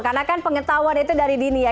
karena kan pengetahuan itu dari dini ya